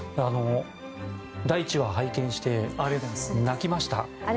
第１話を拝見して泣きました。